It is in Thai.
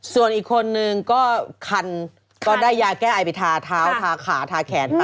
ส่วนอีกคนนึงก็คันก็ได้ยาแก้ไอไปทาเท้าทาขาทาแขน